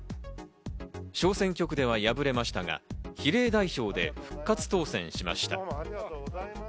小選挙区では敗れましたが、比例代表で復活当選しました。